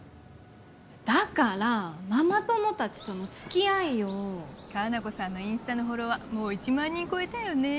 だからママ友たちとの付き合いよ果奈子さんのインスタのフォロワーもう１万人超えたよね